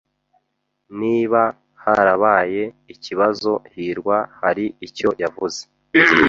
Niba harabaye ikibazo, hirwa hari icyo yavuze.